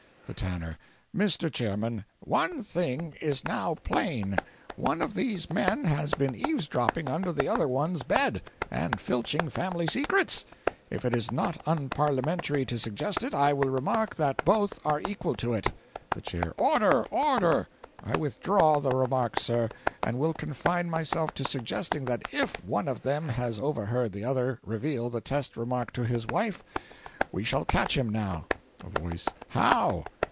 The Tanner. "Mr. Chairman, one thing is now plain: one of these men has been eavesdropping under the other one's bed, and filching family secrets. If it is not unparliamentary to suggest it, I will remark that both are equal to it. (The Chair. "Order! order!") I withdraw the remark, sir, and will confine myself to suggesting that IF one of them has overheard the other reveal the test remark to his wife, we shall catch him now." A Voice. "How?"